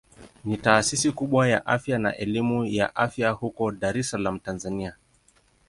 Ni taasisi kubwa ya afya na elimu ya afya huko Dar es Salaam Tanzania.